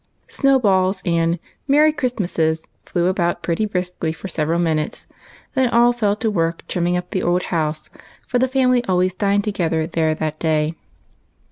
Snowballs and " Merry Christmases !" flew about pretty briskly for several minutes ; then all fell to work trimming up the old house, for the family al ways dined together there on that day.